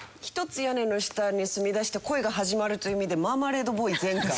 １つ屋根の下に住みだして恋が始まるという意味で『ママレード・ボーイ』全巻。